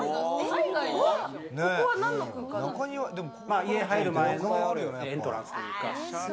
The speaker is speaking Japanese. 家に入る前のエントランスというか。